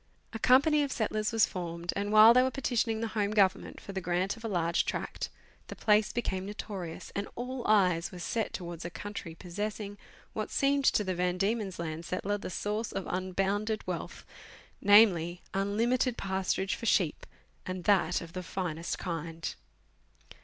A company of settlers was formed, and, while they were petitioning the Home Government for the grant of a large tract, the place became notorious, and all eyes were set towards a country possess ing what seemed to the Van Diemen's Land settler the source of unbounded wealth, namely, unlimited pasturage for sheep, and that of the finest kind.